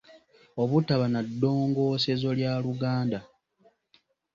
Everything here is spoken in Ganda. Obutaba na ddongoosezo lya Luganda